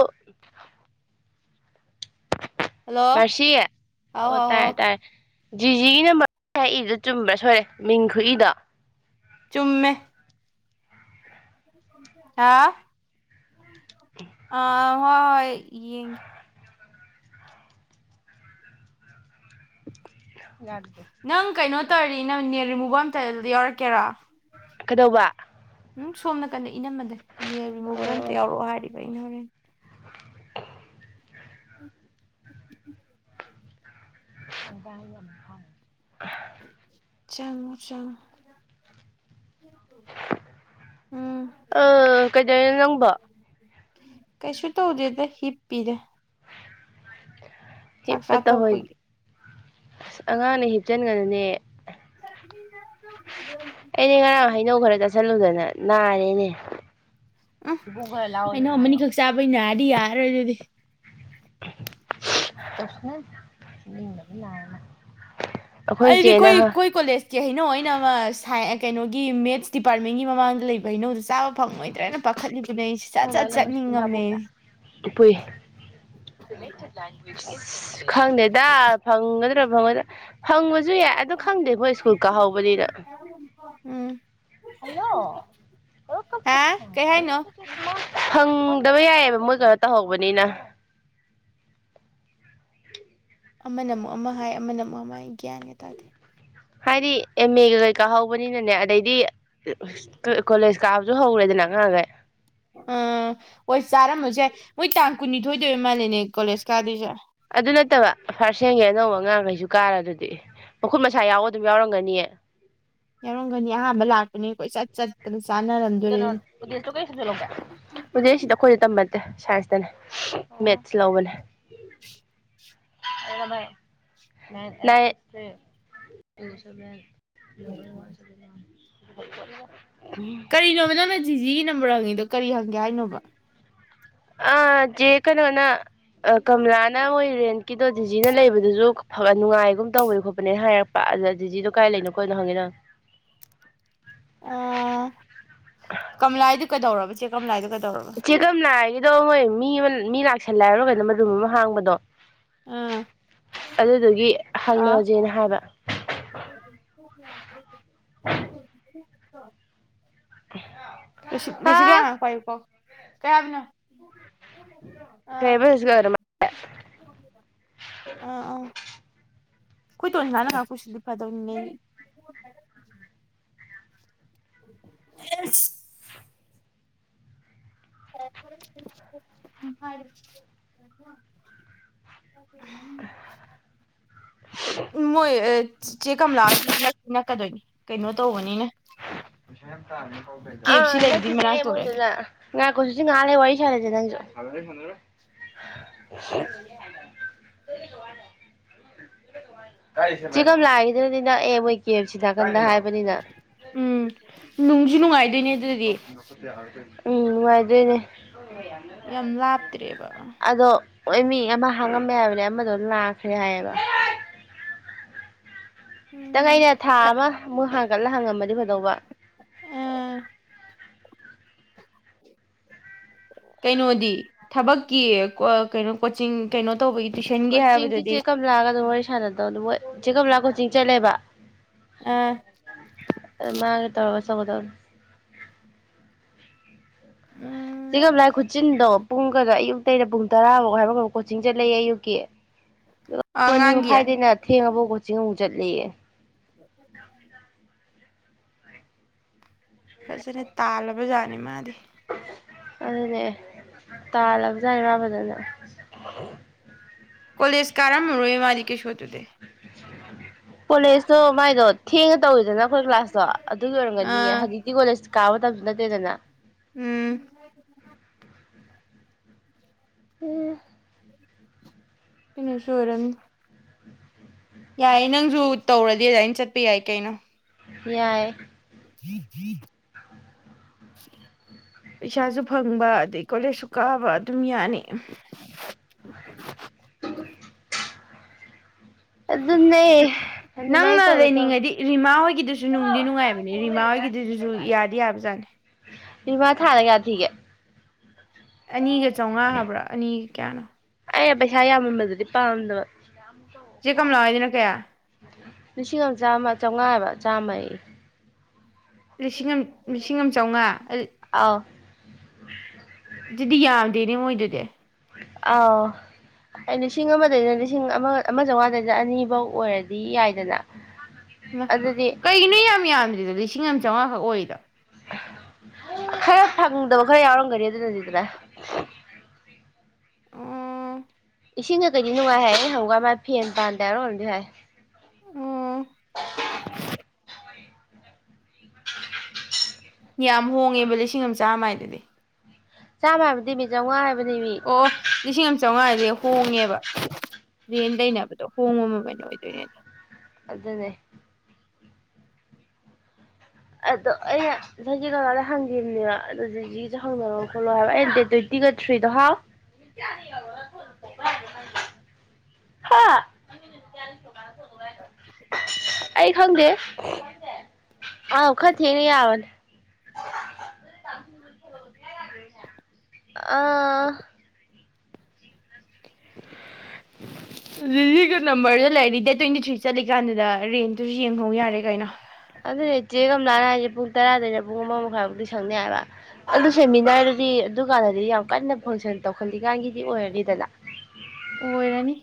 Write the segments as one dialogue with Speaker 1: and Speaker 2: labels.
Speaker 1: ꯑꯣ
Speaker 2: ꯍꯜꯂꯣ
Speaker 1: ꯃꯔꯁꯤꯦ
Speaker 2: ꯍꯥꯎ
Speaker 1: ꯑꯣ
Speaker 2: ꯍꯥꯎ
Speaker 1: ꯇꯥꯏ
Speaker 2: ꯍꯥꯎ
Speaker 1: ꯇꯥꯏ ꯖꯤꯖꯤꯒꯤ ꯅꯝꯕꯔ ꯑꯩꯗꯨ ꯆꯨꯝꯕ꯭ꯔꯥ ꯁꯣꯏꯔꯦ ꯃꯤꯡ ꯈꯨꯏꯗ
Speaker 2: ꯆꯨꯝꯃꯦ ꯍꯥ ꯑ ꯍꯣꯏ ꯌꯦꯡ
Speaker 1: [unintelligible]
Speaker 2: ꯅꯪ ꯀꯩꯅꯣ ꯇꯔꯤ ꯅꯪ ꯎꯨꯝꯇꯦꯜꯗ ꯌꯧꯔꯛꯀꯦꯔꯥ
Speaker 1: ꯀꯩꯗꯧꯕ
Speaker 2: ꯎꯝ ꯁꯣꯝꯅ ꯀꯅꯤ ꯏꯅꯝꯃꯗꯦ ꯅꯤꯌꯔ ꯔꯤꯃꯨꯕꯔ ꯑꯝꯇ ꯌꯥꯎꯔꯛꯑꯣ ꯍꯥꯏꯔꯤꯕ ꯑꯩꯅ ꯍꯔꯦ ꯎ
Speaker 1: ꯑꯣꯗꯥ [unintelligible]
Speaker 2: ꯆꯪ ꯆꯪ
Speaker 1: ꯑ ꯀꯩꯗꯩꯅꯣ ꯅꯪꯕ
Speaker 2: ꯀꯩꯁꯨ ꯇꯧꯗꯦꯗ ꯍꯤꯞꯄꯤꯔꯦ ꯆꯥꯛ
Speaker 1: ꯍꯤꯞꯄ
Speaker 2: ꯆꯥ
Speaker 1: ꯇꯧꯍꯣꯏ
Speaker 2: ꯇꯣꯛꯄꯒꯤ
Speaker 1: ꯑꯁ ꯑꯉꯥꯡꯅ ꯍꯤꯞꯆꯟꯒꯅꯅꯦ
Speaker 2: ꯆ
Speaker 1: ꯑꯩꯗꯤ ꯉꯔꯥꯡ
Speaker 2: [unintelligible]
Speaker 1: ꯍꯩꯅꯧ ꯈꯔ ꯆꯥꯁꯤꯜꯂꯨꯗꯅ ꯅꯥꯔꯦꯅꯦ
Speaker 2: ꯎꯝ ꯑꯩꯅ ꯑꯈꯛ ꯆꯥꯕꯩ ꯅꯔ ꯀꯗꯤ ꯌꯥꯔ ꯑꯣꯏ ꯑꯗꯨꯗꯤ
Speaker 1: ꯀꯁꯅ ꯂꯔꯅ [unintelligible] [inaudible]
Speaker 2: ꯑꯩꯗꯤꯈꯣꯏ ꯑꯩꯈꯣꯏ ꯀꯣꯂꯦꯖꯀꯤ ꯍꯩꯅꯣ ꯑꯣꯏꯅ ꯑꯃ ꯀꯩꯅꯣꯒꯤ ꯃꯦꯠꯁ ꯗꯤꯄꯥꯔꯠꯃꯦꯟꯒꯤ ꯃꯃꯥꯡꯗ ꯂꯩꯕ ꯍꯩꯅꯧꯗꯨꯣ ꯆꯥꯕ ꯐꯪꯉꯣꯏꯗ꯭ꯔꯅ ꯄꯥꯈꯠꯂꯤ
Speaker 1: ꯣ ꯑꯗꯨꯥꯕ꯭ꯔꯥ ꯈꯪꯗꯦꯗ ꯐꯪꯒ ꯗ ꯐꯪꯕꯁꯨ ꯌꯥꯏ ꯑ ꯈꯪꯗꯦꯀꯣ ꯁ꯭ꯀꯨꯜ ꯀꯥꯍꯧꯕꯅꯤꯗ
Speaker 2: ꯎꯝ ꯍꯥ ꯀꯩ ꯍꯥꯏꯅꯣ
Speaker 1: ꯑꯣ ꯗꯕ ꯌꯥꯏꯑꯕ ꯃꯣꯏ ꯀꯩꯅꯣ ꯇꯧꯍꯧꯕꯅꯤꯅ
Speaker 2: ꯑꯃꯅ ꯑꯃꯨꯛ ꯑꯃ ꯍꯥꯏ ꯑꯃꯅ ꯑꯃꯨꯛ ꯑꯃ ꯍꯥꯏ ꯒ꯭ꯌꯥꯟꯒ ꯇꯥꯗꯦ
Speaker 1: ꯍꯥꯏꯗꯤ ꯑꯦꯝ ꯑꯦꯒ ꯀꯩꯀꯥ ꯍꯧꯕꯅꯤꯅꯅꯦ ꯑꯗꯩꯗꯤ ꯀꯣꯂꯦꯖ ꯀꯥꯕꯁꯨ ꯍꯧꯔꯦꯗꯅ ꯉꯉꯥꯡꯈꯩ
Speaker 2: ꯑꯥ ꯍꯣꯏ ꯆꯥꯔꯝꯃꯁꯦ ꯃꯣꯏ ꯇꯥꯡ ꯀꯨꯟꯅꯤꯊꯣꯏꯗꯣꯏ ꯑꯣꯏ ꯃꯥꯜꯂꯦꯅꯦ ꯀꯣꯂꯦꯖ ꯀꯥꯗꯣꯏꯁꯦ
Speaker 1: ꯑꯗꯨ ꯅꯠꯇꯕ ꯐꯥꯔꯁ ꯍꯦꯟꯒꯤꯦ ꯑꯅꯧꯕ ꯑꯉꯥꯡꯈꯩꯁꯨ ꯀꯥꯔ ꯑꯗꯨꯗꯤ ꯃꯈꯨꯠ ꯃꯁꯥ ꯌꯥꯎꯕ ꯑꯗꯨꯝ ꯌꯥꯎꯔꯝꯒꯅꯤꯌꯦ
Speaker 2: ꯌꯥꯎꯔꯝꯒꯅꯤ ꯑꯍꯥꯟꯕ ꯂꯥꯛꯄꯅꯦ ꯑꯩꯣꯏ ꯆꯠ ꯆꯠꯇꯅꯠ
Speaker 1: ꯀꯩꯅꯣ ꯄꯨꯗꯦꯜꯁꯤꯗ ꯑꯩꯈꯣꯏꯗ ꯇꯝꯕ ꯁꯥꯏꯟꯁꯇꯅꯦ ꯃꯦꯠꯁ ꯂꯧꯕꯅꯦ
Speaker 2: [unintelligible]
Speaker 1: [unintelligible] ꯂꯅ ꯋꯥꯟ ꯆꯗꯅꯤ ꯍ [inaudible]
Speaker 2: ꯀꯔꯤꯅꯣꯃꯤ ꯅꯪꯅ ꯖꯤꯒꯤ ꯅꯝꯕꯔꯉꯅꯤꯗ ꯀꯔꯤ ꯍꯪꯒꯦ ꯍꯥꯏꯅꯣꯕ
Speaker 1: ꯑ ꯆꯦ ꯀꯩꯅꯣꯅ ꯀꯃꯂꯥꯅ ꯃꯣꯏ ꯔꯦꯟꯀꯤꯗꯣ ꯗꯤꯖꯤꯅ ꯂꯩꯕꯗꯨꯁꯨ ꯅꯨꯡꯉꯥꯏꯒꯨꯝ ꯇꯧꯕꯅꯦ ꯈꯣꯠꯄꯅꯦꯅ ꯍꯥꯏꯔꯛꯄ ꯑꯗ ꯗꯤꯖꯤꯗꯣ ꯀꯥꯏ ꯂꯩꯅꯣ ꯀꯣꯅꯣ ꯍꯪꯉꯦ ꯅꯪ
Speaker 2: ꯑꯣ ꯀꯝ ꯂꯥꯏ
Speaker 1: ꯆꯤꯀꯝꯅꯗꯣꯣꯏ ꯃꯤ ꯃꯤ ꯂ ꯇ ꯁꯟꯂꯥꯏꯔꯒꯅ ꯃꯔꯨꯝ ꯑꯃ ꯍꯥꯡꯕꯗꯣ
Speaker 2: ꯑꯥ
Speaker 1: ꯑꯗꯨꯗꯨꯒꯤ
Speaker 2: ꯑꯥ
Speaker 1: ꯍꯪꯅꯖꯦꯅ ꯍꯥꯏꯕ
Speaker 2: ꯌꯥ ꯂ [unintelligible] ꯑ ꯔꯤꯁꯤꯤꯗꯌꯥꯅ ꯀꯀꯣ ꯀꯌꯥꯕꯅꯣ
Speaker 1: ꯀꯩꯕꯁꯒꯔ
Speaker 2: ꯍ ꯑꯥ ꯑ ꯑꯩꯣꯏ ꯊꯣꯡꯅꯅꯉꯁꯨꯗꯤ ꯐ ꯄꯨꯅ ꯍ [unintelligible]
Speaker 1: ꯑ
Speaker 2: ꯎꯝ ꯃꯣꯏ ꯆꯦ ꯀꯝꯂꯥ ꯅꯛꯀꯗꯣꯏꯅꯤ ꯀꯩꯅꯣ ꯇꯧꯕꯅꯤꯅ ꯀꯦ ꯑꯦꯐ
Speaker 1: ꯑ
Speaker 2: ꯁꯤ
Speaker 1: ꯅꯛꯇꯤ
Speaker 2: ꯂꯩꯕꯗꯨꯒꯤ
Speaker 1: ꯅꯛꯑꯦ
Speaker 2: ꯃꯅꯥꯛꯇ ꯑꯣꯏꯔꯗꯤ
Speaker 1: ꯃꯣꯏꯗꯨꯅ ꯍꯨꯖꯤꯛ ꯉꯥꯛ ꯂꯩꯔ ꯋꯥꯔꯤ ꯁꯥꯟꯅꯁꯦ ꯅꯪꯁꯨ [unintelligible] ꯆꯦ ꯀꯝ ꯂꯥꯒꯤꯗꯨꯗꯤ ꯅꯛꯑꯦ ꯃꯣꯏ ꯀꯦ ꯁꯤꯗꯥꯛꯀꯝꯗ ꯍꯥꯏꯕꯅꯤꯅ
Speaker 2: - [unintelligible] ꯅꯨꯡꯥꯏ
Speaker 1: [unintelligible] ꯎꯝ ꯅꯨꯉꯥꯏꯗꯣꯏꯅꯦ
Speaker 2: ꯌꯥꯝ ꯂꯥꯞꯇ꯭ꯔꯦꯕ
Speaker 1: ꯑꯗꯣ ꯍꯣꯏ ꯃꯤ ꯑꯃ ꯍꯥꯡꯉꯝꯃꯦ ꯍꯥꯏꯕꯅꯦ ꯑꯃꯗꯣ ꯂꯥꯛꯈ꯭ꯔꯦ ꯍꯥꯏꯌꯦꯕ ꯈꯤꯇꯪ
Speaker 2: ꯎꯝ
Speaker 1: ꯑꯩꯅ ꯊꯥ ꯑꯃꯃꯨꯛ ꯍꯥꯡꯒꯠꯂ ꯍꯪꯉꯝꯃꯗꯤ ꯀꯩꯗꯧꯕ
Speaker 2: ꯑꯥ ꯀꯩꯅꯣꯗꯤ ꯊꯕꯛꯀꯤ ꯀꯩꯅꯣ ꯀꯣꯆꯤꯡ ꯀꯩꯅꯣ ꯇꯧꯕꯒꯤ ꯇꯨꯏꯁꯟꯒꯦ ꯍꯥꯏꯕꯗꯨꯗꯤ
Speaker 1: ꯁꯥꯟꯅ ꯇꯧꯅꯤ ꯃꯣꯏ ꯆꯦ ꯀꯝꯂꯥ ꯀꯣꯆꯤꯡ ꯆꯠꯂꯦꯕ
Speaker 2: ꯑꯥ
Speaker 1: ꯃꯥꯒ ꯇꯧꯔꯒ ꯑꯆꯧꯕꯗꯣ ꯆꯦ
Speaker 2: ꯎꯝ
Speaker 1: ꯀꯃꯥꯂꯥ ꯈꯨꯠꯆꯤꯟꯗꯣ ꯄꯨꯡ ꯈꯔ ꯑꯌꯨꯛ ꯑꯇꯩꯗ ꯄꯨꯡ ꯇꯔꯥꯐꯥꯎ ꯍꯥꯏꯕ ꯐꯥꯎ ꯀꯣꯆꯤꯡ ꯆꯠꯂꯌꯦ ꯑꯌꯨꯛꯀꯤ ꯄꯨꯡ ꯑꯅꯤ
Speaker 2: ꯑꯉꯥꯡꯒꯤ
Speaker 1: ꯃꯈꯥꯏꯗꯩꯅ ꯊꯦꯡꯉꯕꯥꯎ ꯀꯣꯆꯤꯡ ꯆꯠꯂꯤꯌꯦ [unintelligible]
Speaker 2: ꯐꯖꯅ ꯇꯥꯜꯂꯕꯖꯥꯠꯅꯤ ꯃꯥꯗꯤ
Speaker 1: ꯑꯗꯨꯅꯦ ꯇꯥꯜꯂꯕꯖꯥꯠꯅꯤ ꯃꯥ ꯐꯖꯅ
Speaker 2: ꯀꯣꯂꯦꯖ ꯀꯥꯔꯝ ꯃꯔꯣꯏꯌꯦ ꯃꯥꯗꯤ ꯀꯦꯁꯣꯗꯨꯨꯗꯤ
Speaker 1: ꯀꯣꯔꯦꯁ ꯇꯣ ꯃꯥꯏꯗꯣ ꯊꯦꯡ ꯇꯧꯋꯤꯗꯅ ꯑꯩꯈꯣꯏ ꯀ꯭ꯂꯥꯁꯇꯣ ꯑꯗꯨ ꯌ ꯑꯣꯏꯔꯝꯒꯅꯤꯌꯦ
Speaker 2: ꯑꯥ
Speaker 1: ꯍꯧꯖꯤꯛꯇꯤ ꯀꯣꯂꯦꯖ ꯀꯥꯕ ꯃꯇꯝ ꯅꯠꯇꯦꯗꯅ
Speaker 2: ꯎꯝ
Speaker 1: ꯎ
Speaker 2: ꯀꯩꯅꯣꯁꯨ ꯑꯣꯏꯔꯝ ꯌꯥꯏꯌꯦ ꯅꯪꯁꯨ ꯇꯧꯔꯗꯤ ꯑꯗꯨꯃꯥꯏꯅ ꯆꯠꯄ ꯌꯥꯏ ꯀꯩꯅꯣ
Speaker 1: ꯑꯦꯏꯏ
Speaker 2: ꯄꯩꯁꯥꯁꯨ ꯐꯪꯕ ꯑꯗꯩ ꯀꯣꯂꯦꯖꯁꯨ ꯀꯥꯕ ꯑꯗꯨꯝ ꯌꯥꯅꯤ
Speaker 1: ꯑꯗꯨꯅꯦ
Speaker 2: ꯅꯪꯅ
Speaker 1: ꯑꯗꯨꯃꯥꯏꯅ ꯇꯧꯒꯦ ꯇꯧ
Speaker 2: ꯂꯩꯅꯤꯡꯉꯗꯤ ꯔꯤꯃꯥ ꯍꯣꯏꯒꯤꯗꯨꯁꯨ ꯅꯨꯡꯗꯤ ꯅꯨꯡꯉꯥꯏꯕꯅꯦ ꯔꯤꯃꯥ ꯍꯣꯏꯒꯤꯗꯨꯗꯨꯁꯨ ꯌꯥꯗꯤ ꯌꯥꯕꯖꯥꯠꯅꯤ
Speaker 1: ꯏꯃ ꯊꯥꯅ ꯌꯥ ꯊꯤꯒꯦ
Speaker 2: ꯑꯅꯤꯒ ꯆꯧꯉꯥ ꯍꯥꯏꯕ꯭ꯔꯥ ꯑꯅꯤ ꯀꯌꯥꯅꫭ
Speaker 1: ꯑꯩꯩꯅ ꯄꯩꯁꯥ ꯌꯥꯝꯃꯟꯕꯗꯨꯗꯤ ꯄꯥꯝꯗꯕ
Speaker 2: ꯆꯦ ꯀꯝꯂꯥ ꯍꯣꯏꯗꯨꯅ ꯀꯌꯥ
Speaker 1: ꯂꯤꯁꯤꯡ ꯑꯃ ꯆꯥꯝꯃ ꯆꯧꯉꯥ ꯍꯥꯏꯕ ꯆꯥꯝꯃꯥꯌꯦ
Speaker 2: ꯂꯤꯁꯤꯡ ꯑꯃ ꯂꯤꯁꯤꯡ ꯑꯃ ꯆꯧꯉꯥ
Speaker 1: ꯑꯥꯎ
Speaker 2: ꯑꯗꯨꯗꯤ ꯌꯥꯝꯗꯦꯅꯦ ꯃꯣꯏꯗꯨꯗꯤ
Speaker 1: ꯑꯥꯎ ꯂꯤꯁꯤꯡ ꯑꯃꯗꯩꯅ ꯂꯤꯁꯤꯡ ꯑꯃ ꯑꯃ ꯆꯧꯉꯥꯗꯩꯅ ꯑꯅꯤꯕꯧ ꯑꯣꯏꯔꯗꯤ ꯌꯥꯏꯗꯅ
Speaker 2: ꯏꯃꯥ
Speaker 1: ꯑꯗꯨꯗꯤ
Speaker 2: ꯀꯩꯒꯤꯅ‌ꯣ ꯌꯥꯝ ꯌꯥꯝꯗ꯭ꯔꯤꯗꯨꯗꯤ ꯂꯤꯁꯤꯡ ꯑꯃ ꯆꯧꯉꯥ ꯈꯛ ꯑꯣꯏꯔꯤꯗꫭ
Speaker 1: ꯈꯔ ꯐꯪꯗꯕ ꯈꯔ ꯌꯥꯎꯔꯝꯒꯅꯤ ꯑꯗꯨꯅꯗꯤꯗꯅ
Speaker 2: ꯎꯡꯡ
Speaker 1: ꯏꯁꯤꯡ ꯀꯩ ꯀꯩꯗꯤ ꯅꯨꯡꯉꯥꯏ ꯍꯥꯏꯌꯦ ꯑꯩ ꯍꯪꯉꯨꯀꯥꯟ ꯃꯥ ꯐꯦꯟ ꯄꯥꯟꯗꯦ ꯍꯥꯏꯕ꯭ꯔ ꯀꯩꯅꫭꯝꯗꯤ ꯍꯥꯏ [inaudible]
Speaker 2: ꯑꯣ
Speaker 1: [inaudible]
Speaker 2: ꯌꯥꯝ ꯍꯣꯡꯉꯦꯕ ꯂꯤꯁꯤꯡ ꯑꯃ ꯆꯥꯝꯃꯥꯏꯗꯨꯗꯤ
Speaker 1: ꯆꯥꯝꯃ ꯍꯥꯏꯕꯅꯇꯃꯤ ꯆꯧꯉꯥ ꯍꯥꯏꯕ
Speaker 2: ꯑꯣ ꯂꯤꯁꯤꯡ ꯑꯃ ꯆꯧꯉꯥꯗꯤ ꯍꯣꯡꯉꯦꯕ ꯔꯦꯟ ꯂꯩꯕꯗꯣ ꯍꯣꯡꯕ ꯃꯃꯟ ꯑꯣꯏꯗꯣꯏꯅꯦ
Speaker 1: ꯑꯗꯨꯅꯦ ꯑꯗꯣ ꯑꯩꯅ [unintelligible] ꯍꯪꯒꯤꯝꯅꯦꯕ ꯑꯗꯨꯗꯒꯤ ꯗ ꯍꯪꯅꯔꫭ ꯈꫭꯠꯂꫭ ꯍꯥꯏꯕ ꯑꯩꯅ ꯗꯦꯠ ꯇ꯭ꯋꯦꯟꯇꯤ ꯇꯤꯒꯊ꯭ꯔꯤꯗꯨ ꯍꯥꯎ ꯍꯥ ꯑꯩ ꯈꯪꯗꯦ ꯑꯥꯎ ꯈ ꯊꯦꯡꯅꯥ ꯌꯥꯕꯅꯤ ꯑꯥ
Speaker 2: ꯂꯤꯂꯤꯒꯤ ꯅꯝꯕꫪꯗꫭ ꯂꯩꯔꯗꯤ ꯗꯦꯠ ꯇ꯭ꯋꯦꯟꯇꯤ ꯊ꯭ꯔꯤ ꯆꯠꯂꯤꯀꯥꯟꯗꯨꯗ ꯔꯦꯟꯇꯨꯁꯨ ꯌꯦꯡꯍꯧ ꯌꯥꯔꯦ ꯀꯩꯅꯣ
Speaker 1: ꯑꯗꯨꯗꯤ ꯆꯦ ꯀꯝꯂꯥꯅ ꯍꯥꯏꯁꯦ ꯄꯨꯡ ꯇꯔꯥꯗꯩꯅ ꯄꯨꯡ ꯑꯃ ꯃꯈꯥꯏꯕꯨꯛꯇꯤ ꯁꯪꯅꯤ ꯍꯥꯏꯕ ꯑꯗꯨ ꯁꯦꯝꯃꯤꯅꯥꫪꯗꯨꯗꯤ ꯑꯗꯨꯀꯥꯟꯗꯗꯤ ꯌꯥꯝ ꯀꯟꯅ ꯐꯪꯁꯟ ꯇꯧꯈꯠꯂꯤꯀꯥꯟꯒꯤꯗꯤ ꯑꯣꯏꯔꯅꯤꯗꯅ
Speaker 2: ꯑꯣꯏꯔꯅꯤ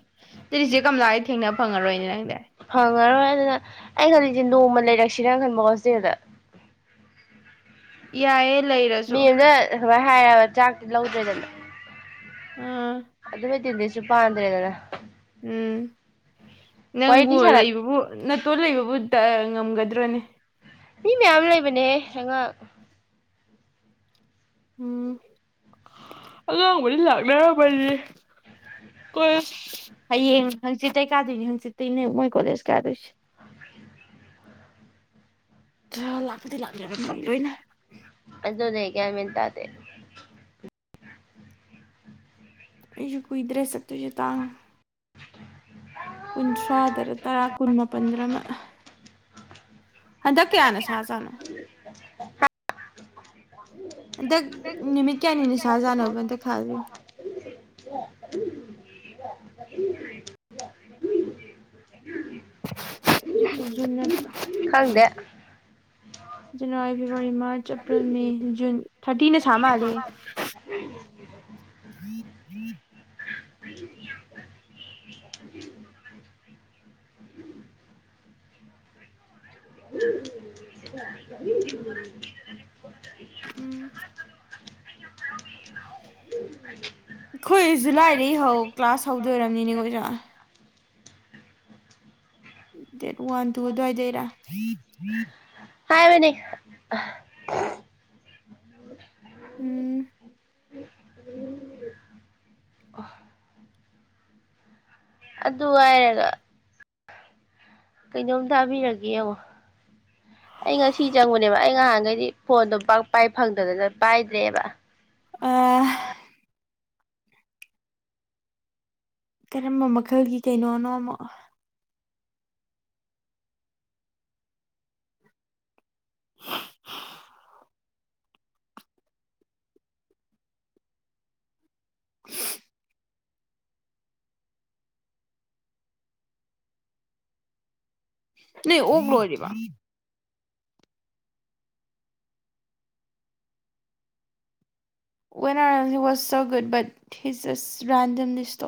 Speaker 2: ꯑꯗꯨꯗꯤ ꯆꯦꯀꯝꯂꯥ ꯗꯤ ꯊꯦꯡꯅ ꯐꯪꯉꯔꯣꯏꯅꯦ [unintelligible]
Speaker 1: ꯐꯪꯉꯔꯣꯏ ꯑꯗꯨꯅ ꯑꯩ ꯈꯜꯂꯤꯁꯦ ꯅꯣꯡꯃ ꯂꯩꯔꯛꯁꯤꯔꯅ ꯈꯟꯕ ꯍꫭꯁꯇꯦꯜꯗ
Speaker 2: ꯌꯥꯏꯌꯦ ꯂꯩꯔꯁꯨ
Speaker 1: ꯃꯦꯜꯗ ꯑꯗꯨꯃꯥꯏ ꯍꯥꯏꯔꯕ ꯆꯥꯛꯇꯤ ꯂꯧꯗ꯭ꯔꯦꯗꯅ
Speaker 2: ꯑꯥ
Speaker 1: ꯑꯗꯨꯒ ꯗꯤꯅꯔꯁ ꯁꯨ ꯄꯥꯟꯗ꯭ꯔꯦꯗꯅ
Speaker 2: ꯎꯝ ꯅꯪꯕꯨ
Speaker 1: ꯋꯥꯔꯤꯗꯤ ꯁꯥꯟꯅ
Speaker 2: ꯂꯩꯕꯕꯨ ꯅꯠꯇꯣꯟ ꯂꯩꯕꯕꯨ ꯇ ꯉꯝꯒꯗ꯭ꯔꯣꯅꯦ
Speaker 1: ꯃꯤ ꯃꯌꯥꯝ ꯂꯩꯕꯅꯦ ꯍ‌ꯦ
Speaker 2: ꯎꯝ ꯑꯉꯥꯡꯕꯨꯗꯤ ꯂꯥꯛꯅꯔꯝꯃꯅꯤ ꯀꯣꯂ‌ꯦꯁ ꯍꯌꯦꯡ ꯍꯪꯆꯤꯠꯇꯇꯩ ꯀꯥꯗꯣꯏꯅꯤ ꯍꯪꯆꯤꯠꯇꯇꯩꯅꯦ ꯃꯣꯏ ꯀꯣꯂꯦꯖ ꯀꯥꯗꯣꯏꯁꯦ
Speaker 1: ꯑ
Speaker 2: ꯆꯂ ꯑꯗꯨ ꯂꯥꯛꯖꯔꯝꯃꯅꯤ ꯂꯣꯏꯅ
Speaker 1: ꯀꯌꯥ ꯃꯜꯇꯥꯗ
Speaker 2: ꯑꯩꯁꯨ ꯀꯨꯏꯗ꯭ꯔꯦꯁꯛꯇꯣꯏꯁ ꯇꯥꯡ ꯀꯨꯟꯊ꯭ꯔꯥꯗ ꯇꯔꯥ ꯀꯨꯟ ꯃꯥꯄꯟꯗꯔꯃ ꯍꯟꯗꯛ ꯀꯌꯥꯅ ꯁꯥ ꯁꯥꯅꯣ ꯍꯟꯗꯛ ꯅꯨꯃꯤꯠ ꯀꯌꯥꯅꯤꯅ ꯁꯥ ꯁꯥꯅꯅꯕ ꯍꯟꯗꯛꯥꯗ꯭ꯔꯤꯕ ꯖꯤ ꯖ
Speaker 1: ꯈꯪꯗꯦ
Speaker 2: January February March April May June thirty ꯁꯥꯃ ꯍꯥꯂꯦ ꯎꯝ ꯎ
Speaker 1: ꯎ
Speaker 2: ꯎꯝ
Speaker 1: ꯎ
Speaker 2: ꯑꯩꯈꯣꯏ ꯖꯨꯂꯥꯏꯗꯒꯤꯩ ꯍꯧ ꯀ꯭ꯂꯥꯁ ꯍꯧꯗꯣꯏꯔꯝꯅꯤꯅꯦꯈ ꯑꯣꯖꯥ ꯗꯦꯔꯨ ꯋꯥꯟꯗꯨ ꯑꯗꯨꯋꯥꯏꯗꯩꯔ
Speaker 1: ꯍꯥꯏ ꯃꯅꯦ
Speaker 2: ꯎꯝ
Speaker 1: ꯑꯗꯨ ꯑꯗꯨ ꯋꯥꯥꯏꯔꯒ ꯀꯩꯅꯣꯝ ꯇꯥꯕꯤꯔꯒꯦ ꯌꯦꯡꯉꯣ ꯑꯩ ꯉꯁꯤ ꯆꯪꯕꯨꯅꯦꯕ ꯑꯩ ꯉꯍꯥꯟꯈꯩꯗꯤ ꯐꯣꯟꯗꯣ ꯄꯥꯛ ꯄꯥꯏ ꯐꯪꯗꯗꯅ ꯄꯥꯏꯗ꯭ꯔꯦꯕ
Speaker 2: ꯑ ꯀꯔꯝꯕ ꯃꯈꯜꯒꯤ ꯀꯩꯅꯣꯅꯣ ꯑꯃꯛ [unintelligible] [unintelligible] ꯅ ꯎꯒ꯭ꯔ ꯑꯣꯏꯅꯤꯔꯤꯕ ꯋꯥꯦꯟꯨ ꯋꯥꯖ ꯁꯣ ꯨꯗ ꯠ ꯍꯆꯁ ꯭ꯔꯥꯟꯗꯤꯝꯂꯤ ꯁꯇꯣ